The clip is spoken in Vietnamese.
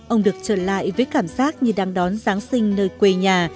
ông được trở lại với cảm giác như đang đón giáng sinh nơi quê nhà